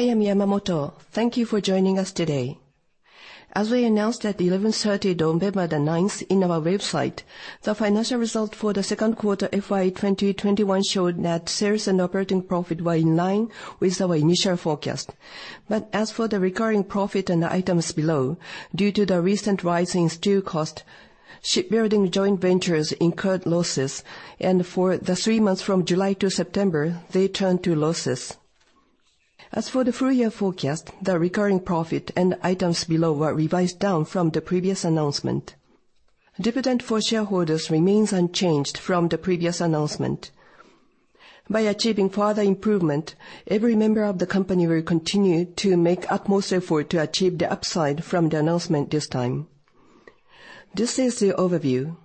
I am Yamamoto. Thank you for joining us today. As we announced at 11:30 on November 9 on our website, the financial result for the second quarter FY 2021 showed net sales and operating profit were in line with our initial forecast. As for the recurring profit and the items below, due to the recent rise in steel cost, shipbuilding joint ventures incurred losses, and for the three months from July to September, they turned to losses. As for the full year forecast, the recurring profit and items below were revised down from the previous announcement. Dividend for shareholders remains unchanged from the previous announcement. By achieving further improvement, every member of the company will continue to make utmost effort to achieve the upside from the announcement this time. This is the overview.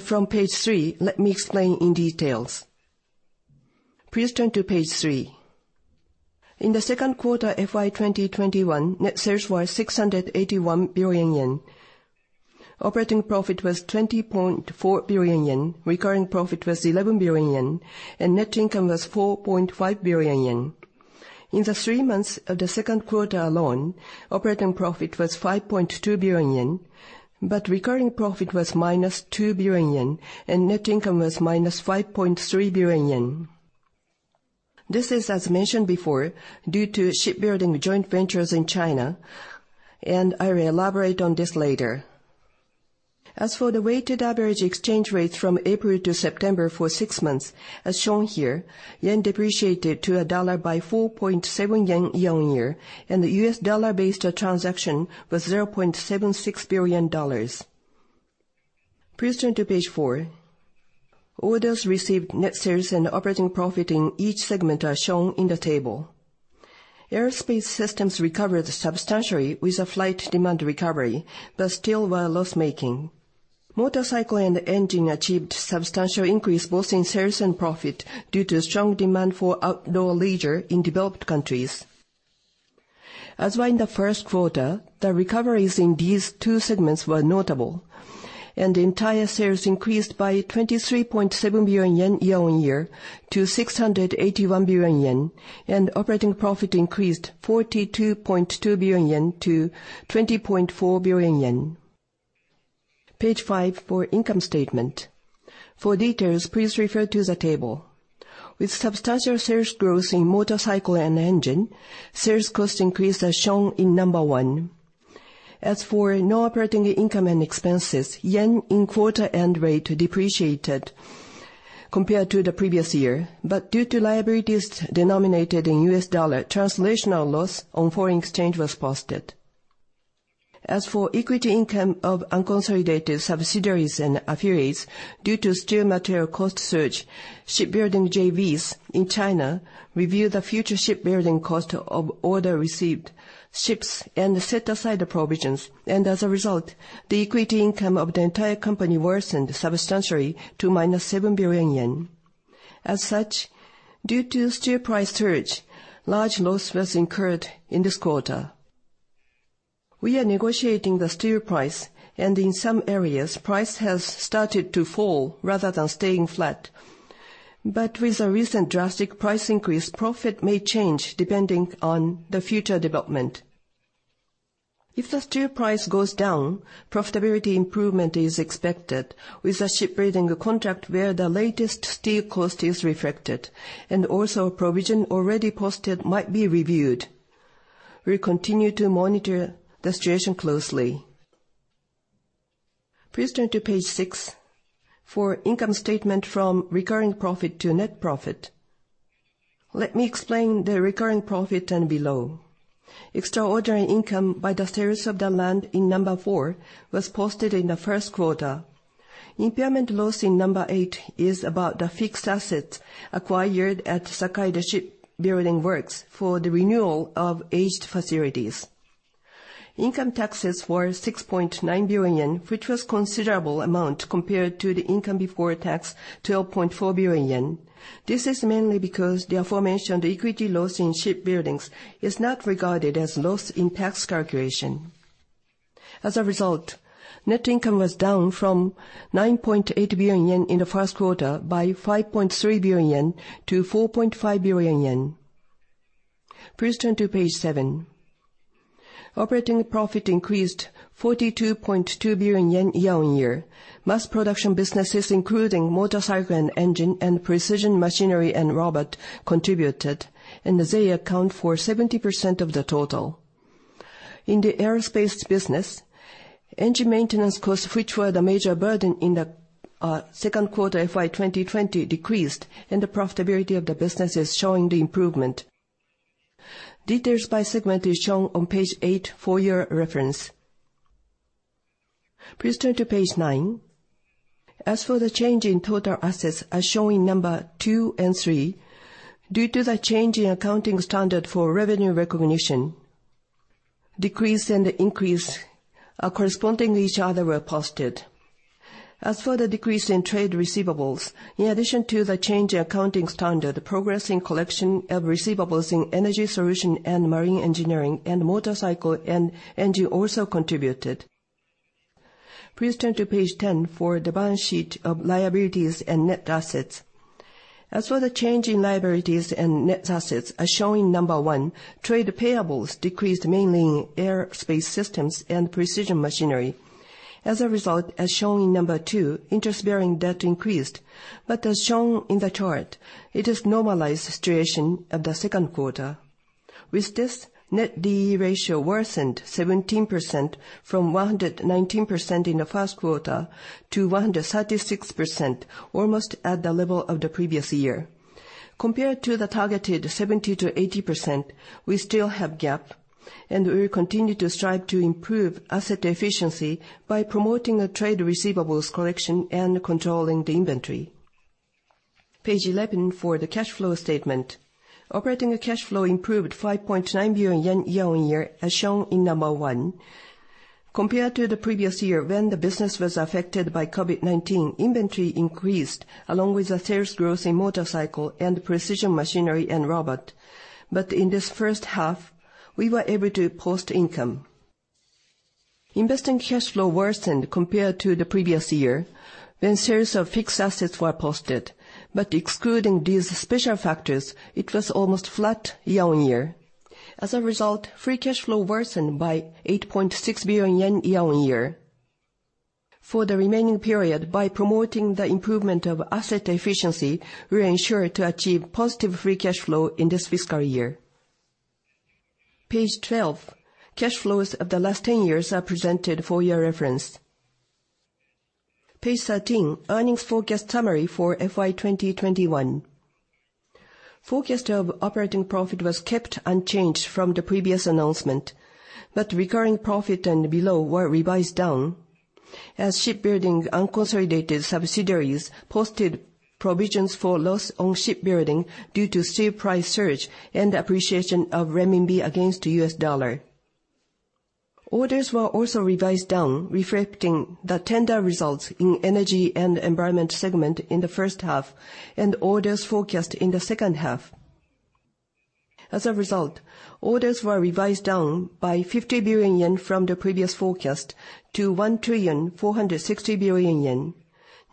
From page three, let me explain in detail. Please turn to page three. In the second quarter FY 2021, net sales was 681 billion yen. Operating profit was 20.4 billion yen. Recurring profit was 11 billion yen, and net income was 4.5 billion yen. In the three months of the second quarter alone, operating profit was 5.2 billion yen, but recurring profit was -2 billion yen, and net income was -5.3 billion yen. This is, as mentioned before, due to shipbuilding joint ventures in China, and I will elaborate on this later. As for the weighted average exchange rates from April to September for six months, as shown here, yen depreciated to a dollar by 4.7 yen year-on-year, and the US dollar-based transaction was $0.76 billion. Please turn to page four. Orders received, net sales, and operating profit in each segment are shown in the table. Aerospace Systems recovered substantially with a flight demand recovery, but still were loss-making. Motorcycle & Engine achieved substantial increase both in sales and profit due to strong demand for outdoor leisure in developed countries. As were in the first quarter, the recoveries in these two segments were notable, and the entire sales increased by 23.7 billion yen year-over-year to 681 billion yen, and operating profit increased 42.2 billion yen to 20.4 billion yen. Page five for income statement. For details, please refer to the table. With substantial sales growth in Motorcycle & Engine, sales cost increase are shown in number one. As for non-operating income and expenses, yen's quarter-end rate depreciated compared to the previous year. Due to liabilities denominated in U.S. dollar, translation loss on foreign exchange was posted. As for equity income of unconsolidated subsidiaries and affiliates, due to steel material cost surge, shipbuilding JVs in China review the future shipbuilding cost of order received ships and set aside the provisions. As a result, the equity income of the entire company worsened substantially to -7 billion yen. As such, due to steel price surge, large loss was incurred in this quarter. We are negotiating the steel price, and in some areas, price has started to fall rather than staying flat. With the recent drastic price increase, profit may change depending on the future development. If the steel price goes down, profitability improvement is expected with the shipbuilding contract where the latest steel cost is reflected, and also a provision already posted might be reviewed. We'll continue to monitor the situation closely. Please turn to page six for income statement from recurring profit to net profit. Let me explain the recurring profit and below. Extraordinary income by the sales of the land in number four was posted in the first quarter. Impairment loss in number eight is about the fixed assets acquired at Sakai, the shipbuilding works, for the renewal of aged facilities. Income taxes were 6.9 billion yen, which was considerable amount compared to the income before tax, 12.4 billion yen. This is mainly because the aforementioned equity loss in shipbuildings is not regarded as loss in tax calculation. As a result, net income was down from 9.8 billion yen in the first quarter by 5.3 billion yen to 4.5 billion yen. Please turn to page seven. Operating profit increased 42.2 billion yen year-on-year. Mass production businesses including Motorcycle & Engine and Precision Machinery & Robot contributed, and they account for 70% of the total. In the aerospace business, engine maintenance costs, which were the major burden in the second quarter FY 2020, decreased, and the profitability of the business is showing the improvement. Details by segment is shown on page eight for your reference. Please turn to page nine. As for the change in total assets, as shown in number two and three, due to the change in accounting standard for revenue recognition, decrease and increase, corresponding to each other were posted. As for the decrease in trade receivables, in addition to the change in accounting standard, the progress in collection of receivables in Energy Solution & Marine Engineering and Motorcycle & Engine also contributed. Please turn to page 10 for the balance sheet of liabilities and net assets. As for the change in liabilities and net assets, as shown in number one, trade payables decreased mainly in Aerospace Systems and Precision Machinery & Robot. As a result, as shown in number two, interest-bearing debt increased. As shown in the chart, it is normalized situation of the second quarter. With this, net D/E ratio worsened 17% from 119% in the first quarter to 136%, almost at the level of the previous year. Compared to the targeted 70%-80%, we still have a gap, and we will continue to strive to improve asset efficiency by promoting a trade receivables collection and controlling the inventory. Page 11 for the cash flow statement. Operating cash flow improved 5.9 billion yen year-on-year, as shown in one. Compared to the previous year when the business was affected by COVID-19, inventory increased along with the sales growth in Motorcycle and Precision Machinery & Robot. In this first half, we were able to post income. Investment cash flow worsened compared to the previous year when sales of fixed assets were posted. Excluding these special factors, it was almost flat year-on-year. As a result, free cash flow worsened by 8.6 billion yen year-on-year. For the remaining period, by promoting the improvement of asset efficiency, we are ensured to achieve positive free cash flow in this fiscal year. Page 12, cash flows of the last 10 years are presented for your reference. Page 13, earnings forecast summary for FY 2021. Forecast of operating profit was kept unchanged from the previous announcement, but recurring profit and below were revised down as shipbuilding unconsolidated subsidiaries posted provisions for loss on shipbuilding due to steel price surge and appreciation of renminbi against the US dollar. Orders were also revised down, reflecting the tender results in energy and environment segment in the first half and orders forecast in the second half. As a result, orders were revised down by 50 billion yen from the previous forecast to 1,460 billion yen.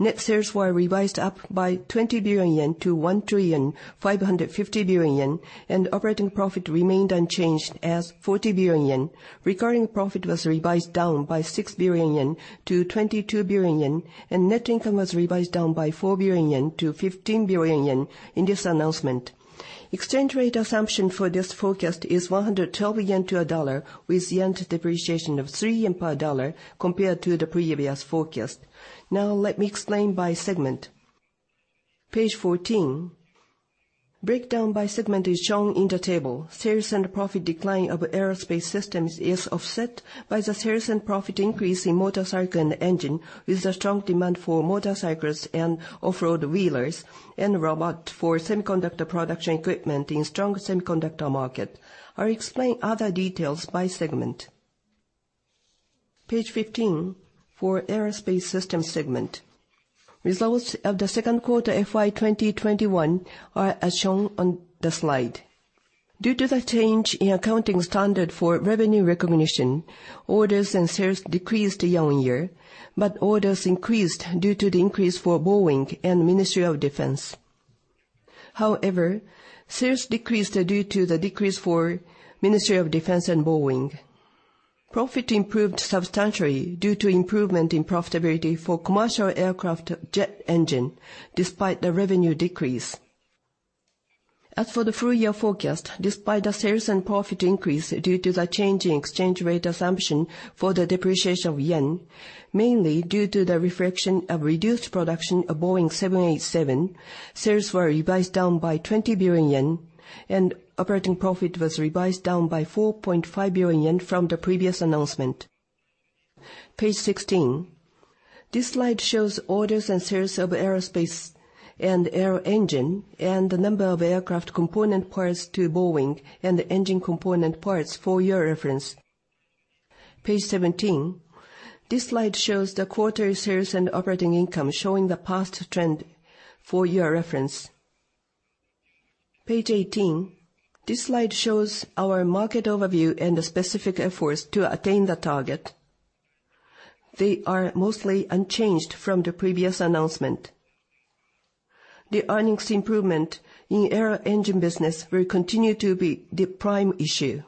Net sales were revised up by 20 billion yen to 1.55 trillion, and operating profit remained unchanged as 40 billion yen. Recurring profit was revised down by 6 billion yen to 22 billion yen, and net income was revised down by 4 billion yen to 15 billion yen in this announcement. Exchange rate assumption for this forecast is 112 yen to a dollar, with yen depreciation of 3 yen per dollar compared to the previous forecast. Now let me explain by segment. Page 14. Breakdown by segment is shown in the table. Sales and profit decline of Aerospace Systems is offset by the sales and profit increase in Motorcycle & Engine, with the strong demand for motorcycles and off-road wheelers and robot for semiconductor production equipment in strong semiconductor market. I'll explain other details by segment. Page 15 for Aerospace Systems segment. Results of the second quarter FY 2021 are as shown on the slide. Due to the change in accounting standard for revenue recognition, orders and sales decreased year-on-year, but orders increased due to the increase for Boeing and Ministry of Defense. However, sales decreased due to the decrease for Ministry of Defense and Boeing. Profit improved substantially due to improvement in profitability for commercial aircraft jet engine, despite the revenue decrease. As for the full year forecast, despite the sales and profit increase due to the change in exchange rate assumption for the depreciation of yen, mainly due to the reflection of reduced production of Boeing 787, sales were revised down by 20 billion yen, and operating profit was revised down by 4.5 billion yen from the previous announcement. Page 16. This slide shows orders and sales of aerospace and aero engine and the number of aircraft component parts to Boeing and the engine component parts for your reference. Page 17. This slide shows the quarterly sales and operating income, showing the past trend for your reference. Page 18. This slide shows our market overview and the specific efforts to attain the target. They are mostly unchanged from the previous announcement. The earnings improvement in aero engine business will continue to be the prime issue.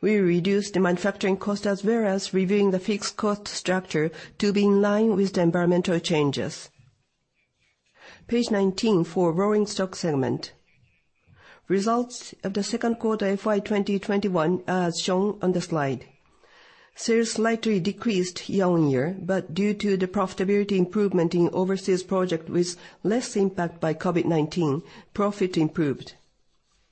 We reduced manufacturing cost as well as reviewing the fixed cost structure to be in line with the environmental changes. Page 19 for Rolling Stock segment. Results of the second quarter FY 2021 are shown on the slide. Sales slightly decreased year-on-year, but due to the profitability improvement in overseas project with less impact by COVID-19, profit improved.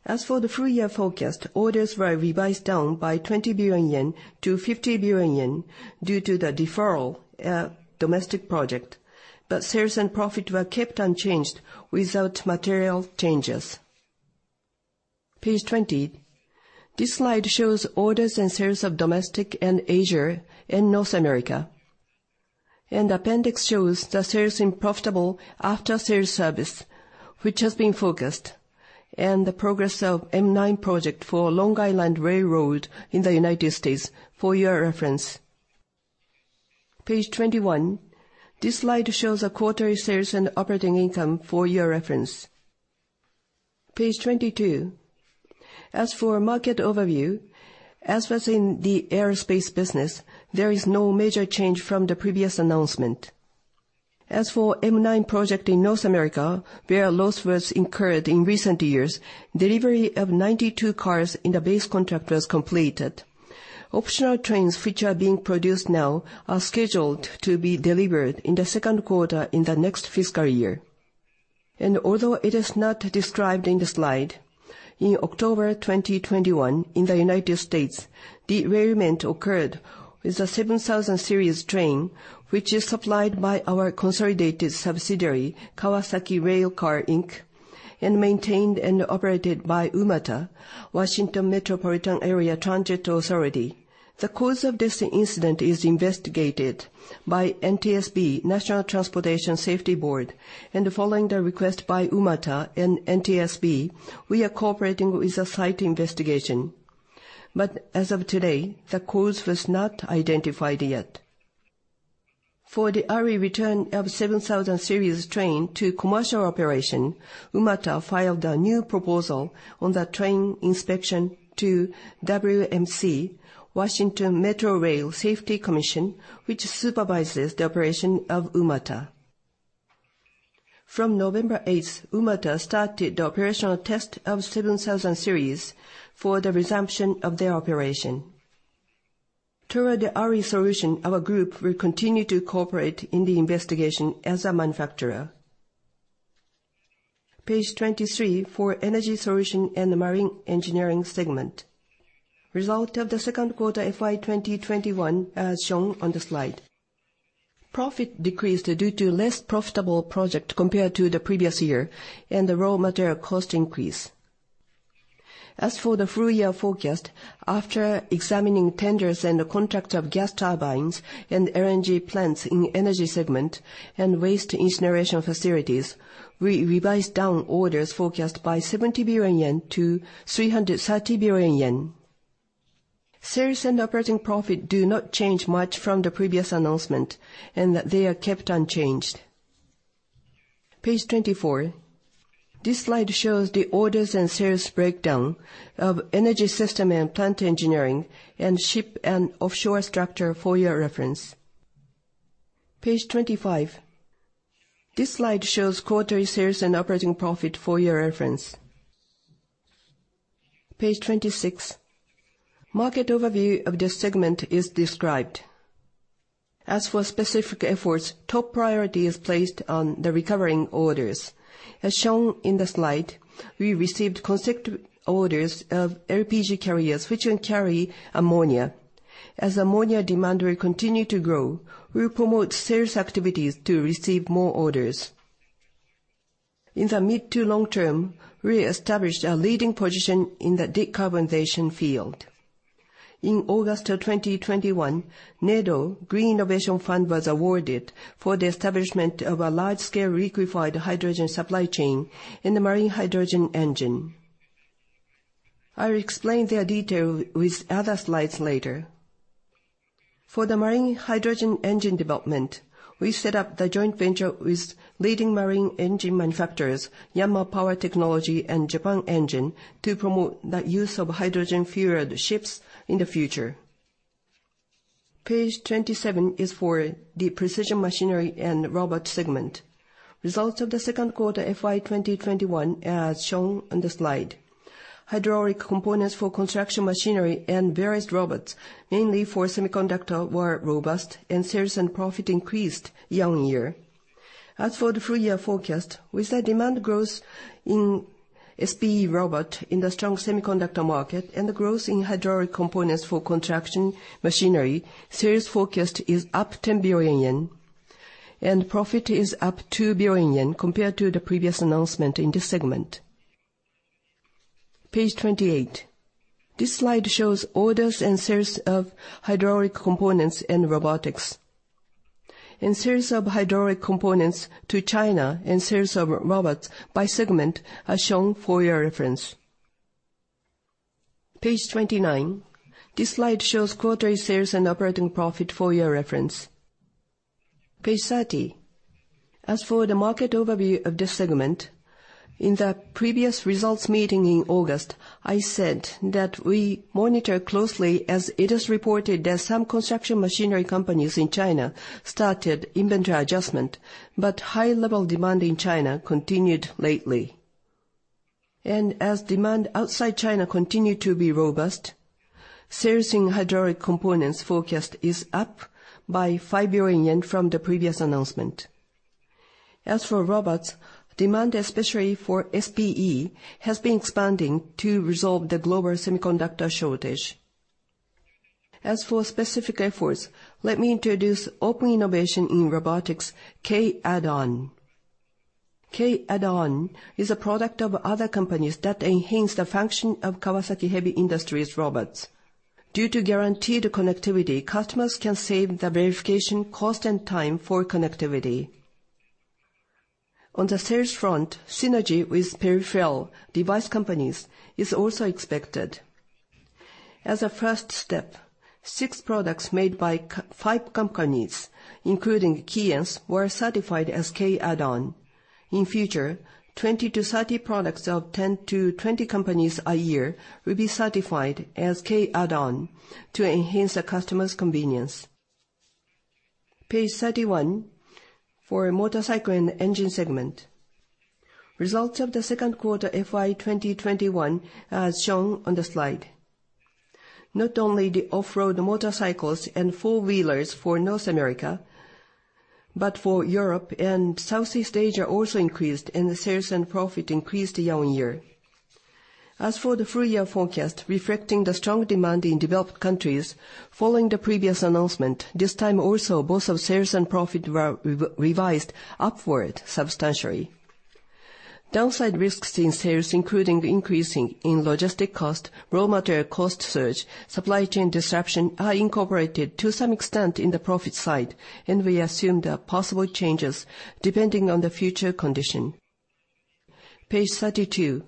As for the full year forecast, orders were revised down by 20 billion yen to 50 billion yen due to the deferral, domestic project. Sales and profit were kept unchanged without material changes. Page 20. This slide shows orders and sales of domestic and Asia and North America. Appendix shows the sales in profitable after sales service, which has been focused, and the progress of M9 project for Long Island Rail Road in the United States for your reference. Page 21. This slide shows a quarterly sales and operating income for your reference. Page 22. As for market overview, as was in the aerospace business, there is no major change from the previous announcement. As for M9 project in North America, where a loss was incurred in recent years, delivery of 92 cars in the base contract was completed. Optional trains which are being produced now are scheduled to be delivered in the second quarter in the next fiscal year. Although it is not described in the slide, in October 2021, in the United States, derailment occurred with a 7000 series train, which is supplied by our consolidated subsidiary, Kawasaki Rail Car, Inc., and maintained and operated by WMATA, Washington Metropolitan Area Transit Authority. The cause of this incident is investigated by NTSB, National Transportation Safety Board. Following the request by WMATA and NTSB, we are cooperating with a site investigation. As of today, the cause was not identified yet. For the early return of the 7000 series train to commercial operation, WMATA filed a new proposal on the train inspection to WMSC, Washington Metrorail Safety Commission, which supervises the operation of WMATA. From November 8, WMATA started the operational test of 7000 series for the resumption of their operation. Toward the early solution, our group will continue to cooperate in the investigation as a manufacturer. Page 23, for Energy Solution & Marine Engineering segment. Result of the second quarter FY 2021 are shown on the slide. Profit decreased due to less profitable project compared to the previous year, and the raw material cost increase. As for the full-year forecast, after examining tenders and the contract of gas turbines and LNG plants in energy segment and waste incineration facilities, we revised down orders forecast by 70 billion yen to 330 billion yen. Sales and operating profit do not change much from the previous announcement, in that they are kept unchanged. Page 24. This slide shows the orders and sales breakdown of Energy Solution & Marine Engineering for your reference. Page 25. This slide shows quarterly sales and operating profit for your reference. Page 26. Market overview of this segment is described. As for specific efforts, top priority is placed on the recovering orders. As shown in the slide, we received consecutive orders of LPG carriers, which will carry ammonia. As ammonia demand will continue to grow, we will promote sales activities to receive more orders. In the mid to long term, we established a leading position in the decarbonization field. In August of 2021, we were awarded the NEDO Green Innovation Fund for the establishment of a large-scale liquefied hydrogen supply chain in the marine hydrogen engine. I'll explain the details with other slides later. For the marine hydrogen engine development, we set up the joint venture with leading marine engine manufacturers, Yanmar Power Technology and Japan Engine, to promote the use of hydrogen-fueled ships in the future. Page 27 is for the Precision Machinery & Robot segment. Results of the second quarter FY 2021 are shown on the slide. Hydraulic components for construction machinery and various robots, mainly for semiconductor, were robust, and sales and profit increased year-on-year. As for the full-year forecast, with the demand growth in SPE robot in the strong semiconductor market and the growth in hydraulic components for construction machinery, sales forecast is up 10 billion yen, and profit is up 2 billion yen compared to the previous announcement in this segment. Page 28. This slide shows orders and sales of hydraulic components and robotics. Sales of hydraulic components to China and sales of robots by segment are shown for your reference. Page 29. This slide shows quarterly sales and operating profit for your reference. Page 30. As for the market overview of this segment, in the previous results meeting in August, I said that we monitor closely as it is reported that some construction machinery companies in China started inventory adjustment, but high level demand in China continued lately. As demand outside China continued to be robust, sales in hydraulic components forecast is up by 5 billion yen from the previous announcement. As for robots, demand especially for SPE has been expanding to resolve the global semiconductor shortage. As for specific efforts, let me introduce open innovation in robotics, K-AddOn. K-AddOn is a product of other companies that enhance the function of Kawasaki Heavy Industries' robots. Due to guaranteed connectivity, customers can save the verification cost and time for connectivity. On the sales front, synergy with peripheral device companies is also expected. As a first step, six products made by five companies, including KEYENCE, were certified as K-AddOn. In future, 20-30 products of 10-20 companies a year will be certified as K-AddOn to enhance the customer's convenience. Page 31. For Motorcycle & Engine segment, results of the second quarter FY 2021 are shown on the slide. Not only the off-road motorcycles and four-wheelers for North America, but for Europe and Southeast Asia also increased, and the sales and profit increased year-on-year. As for the full-year forecast, reflecting the strong demand in developed countries, following the previous announcement, this time also both our sales and profit were revised upward substantially. Downside risks in sales, including increasing in logistic cost, raw material cost surge, supply chain disruption, are incorporated to some extent in the profit side, and we assume the possible changes depending on the future condition. Page 32.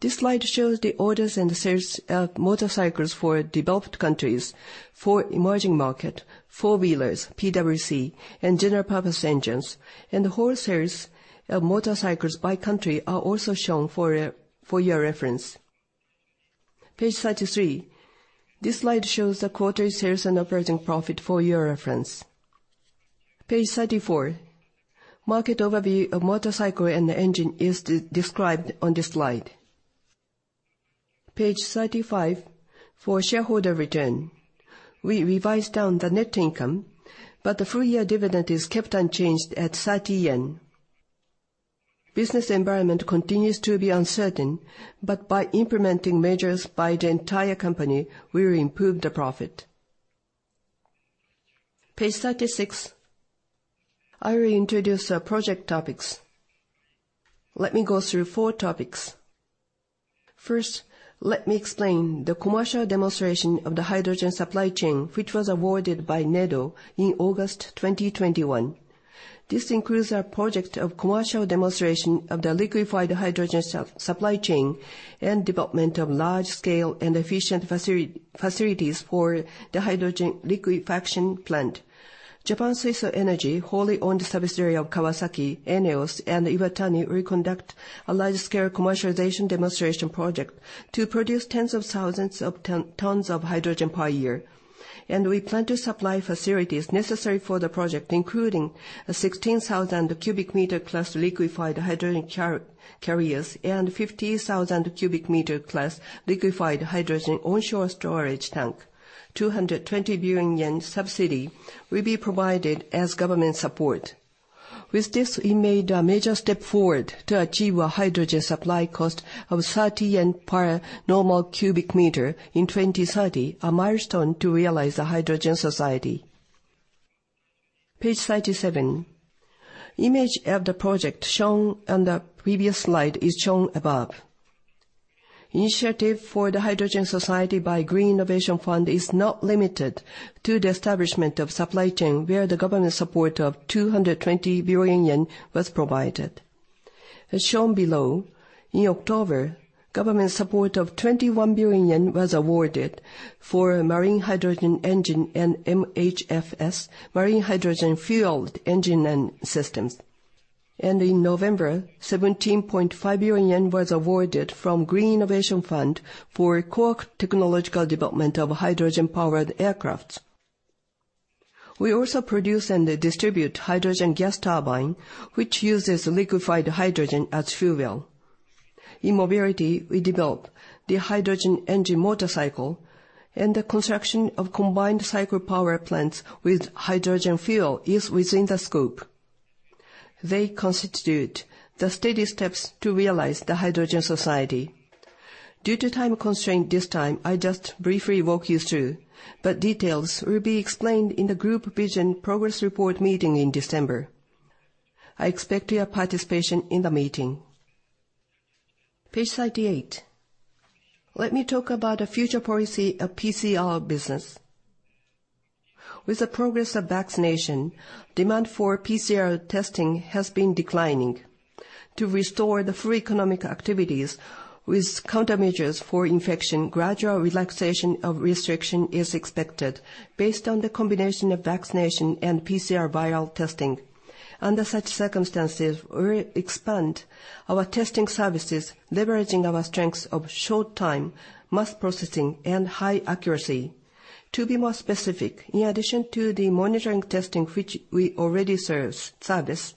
This slide shows the orders and the sales, motorcycles for developed countries, for emerging market, four-wheelers, PWC, and general purpose engines. The whole sales of motorcycles by country are also shown for your reference. Page 33. This slide shows the quarterly sales and operating profit for your reference. Page 34. Market overview of Motorcycle and Engine is described on this slide. Page 35. For shareholder return, we revised down the net income, but the full-year dividend is kept unchanged at 30 yen. Business environment continues to be uncertain, but by implementing measures by the entire company, we will improve the profit. Page 36. I will introduce our project topics. Let me go through four topics. First, let me explain the commercial demonstration of the hydrogen supply chain, which was awarded by NEDO in August 2021. This includes our project of commercial demonstration of the liquefied hydrogen supply chain and development of large scale and efficient facilities for the hydrogen liquefaction plant. Japan Suiso Energy, wholly owned subsidiary of Kawasaki, ENEOS, and Iwatani will conduct a large-scale commercialization demonstration project to produce tens of thousands of tons of hydrogen per year. We plan to supply facilities necessary for the project, including a 16,000 cubic meter class liquefied hydrogen carriers and 50,000 cubic meter class liquefied hydrogen onshore storage tank. 220 billion yen subsidy will be provided as government support. With this, we made a major step forward to achieve a hydrogen supply cost of 30 yen per normal cubic meter in 2030, a milestone to realize the hydrogen society. Page 37. Image of the project shown on the previous slide is shown above. Initiative for the Hydrogen Society by Green Innovation Fund is not limited to the establishment of supply chain, where the government support of 220 billion yen was provided. As shown below, in October, government support of 21 billion yen was awarded for marine hydrogen engine and MHFS, marine hydrogen fueled engine and systems. In November, 17.5 billion yen was awarded from Green Innovation Fund for core technological development of hydrogen-powered aircraft. We also produce and distribute hydrogen gas turbine, which uses liquefied hydrogen as fuel. In mobility, we developed the hydrogen engine motorcycle, and the construction of combined cycle power plants with hydrogen fuel is within the scope. They constitute the steady steps to realize the Hydrogen Society. Due to time constraint this time, I just briefly walk you through, but details will be explained in the Group Vision 2030 Progress Report Meeting in December. I expect your participation in the meeting. Page 38. Let me talk about the future policy of PCR business. With the progress of vaccination, demand for PCR testing has been declining. To restore the full economic activities with countermeasures for infection, gradual relaxation of restriction is expected based on the combination of vaccination and PCR viral testing. Under such circumstances, we'll expand our testing services, leveraging our strengths of short time, mass processing, and high accuracy. To be more specific, in addition to the monitoring testing which we already service,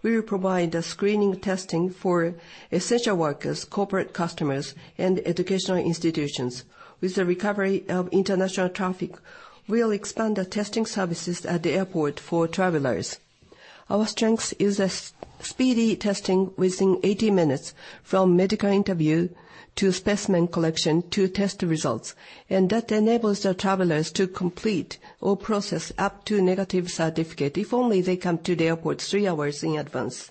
we will provide the screening testing for essential workers, corporate customers, and educational institutions. With the recovery of international traffic, we'll expand the testing services at the airport for travelers. Our strength is a speedy testing within 80 minutes from medical interview to specimen collection to test results. That enables the travelers to complete or process up to negative certificate if only they come to the airport three hours in advance.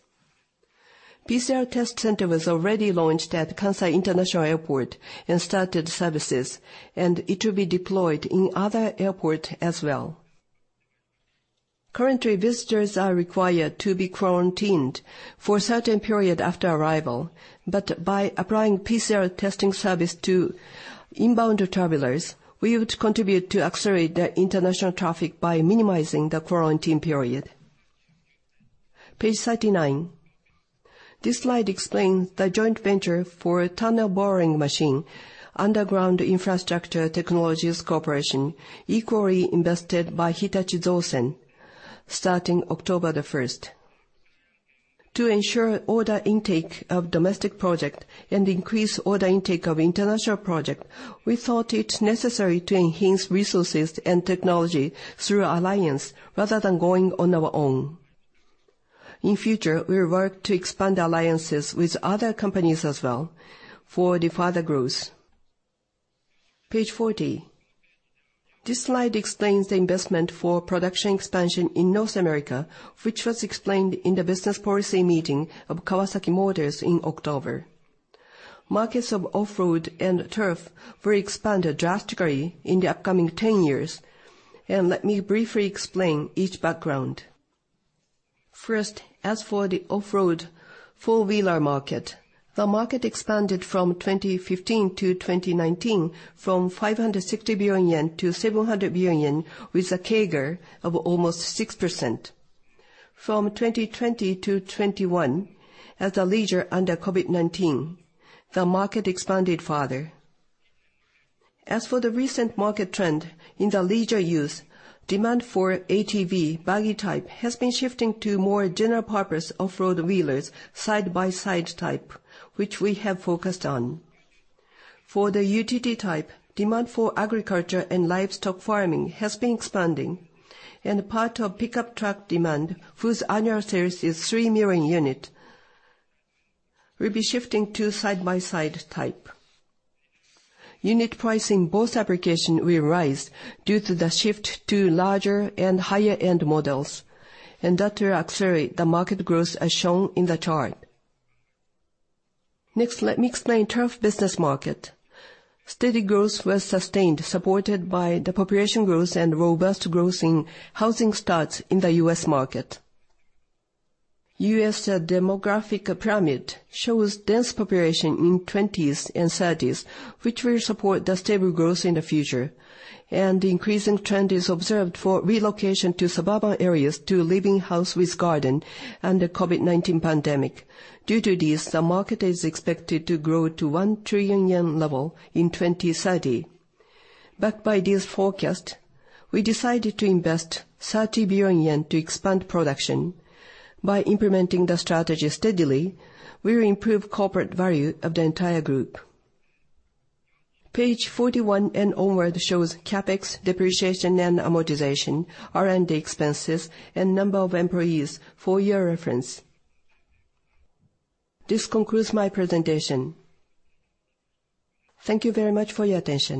PCR test center was already launched at Kansai International Airport and started services, and it will be deployed in other airport as well. Currently, visitors are required to be quarantined for a certain period after arrival, but by applying PCR testing service to inbound travelers, we would contribute to accelerate the international traffic by minimizing the quarantine period. Page 39. This slide explains the joint venture for tunnel boring machine underground infrastructure technologies cooperation, equally invested by Hitachi Zosen starting October 1st. To ensure order intake of domestic project and increase order intake of international project, we thought it necessary to enhance resources and technology through alliance rather than going on our own. In future, we will work to expand alliances with other companies as well for the further growth. Page 40. This slide explains the investment for production expansion in North America, which was explained in the business policy meeting of Kawasaki Motors in October. Markets of off-road and turf will expand drastically in the upcoming 10 years, and let me briefly explain each background. First, as for the off-road four-wheeler market, the market expanded from 2015 to 2019 from 560 billion yen to 700 billion yen, with a CAGR of almost 6%. From 2020 to 2021, as a leisure under COVID-19, the market expanded further. As for the recent market trend in the leisure use, demand for ATV buggy type has been shifting to more general purpose off-road wheelers side-by-side type, which we have focused on. For the UTV type, demand for agriculture and livestock farming has been expanding, and part of pickup truck demand, whose annual sales is 3 million unit, will be shifting to side-by-side type. Unit price in both application will rise due to the shift to larger and higher end models, and that will accelerate the market growth as shown in the chart. Next, let me explain turf business market. Steady growth was sustained, supported by the population growth and robust growth in housing starts in the U.S. market. U.S. demographic pyramid shows dense population in twenties and thirties, which will support the stable growth in the future, and increasing trend is observed for relocation to suburban areas to live in houses with gardens and the COVID-19 pandemic. Due to this, the market is expected to grow to 1 trillion yen level in 2030. Backed by this forecast, we decided to invest 30 billion yen to expand production. By implementing the strategy steadily, we will improve corporate value of the entire group. Page 41 and onward shows CapEx depreciation and amortization, R&D expenses, and number of employees for your reference. This concludes my presentation. Thank you very much for your attention.